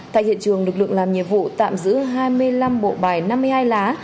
tại hiện trường lực lượng làm nhiệm vụ tạm giữ hai mươi năm bộ bài năm mươi hai lá